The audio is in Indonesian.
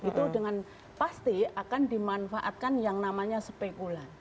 itu dengan pasti akan dimanfaatkan yang namanya spekulan